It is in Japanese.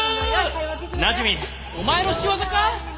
なじみお前の仕業か！？